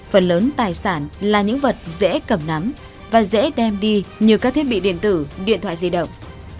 phần lớn tài sản là những vật dễ cầm nắm và dễ đem đi như các thiết bị điện tử điện thoại di động